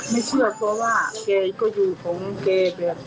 ไม่เชื่อเพราะว่าเกย์ก็อยู่ของเกย์